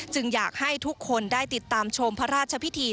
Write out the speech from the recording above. อยากให้ทุกคนได้ติดตามชมพระราชพิธี